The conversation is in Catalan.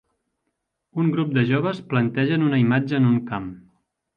Un grup de joves plantegen una imatge en un camp